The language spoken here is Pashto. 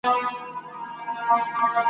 هم به کور وو په ساتلی هم روزلی ,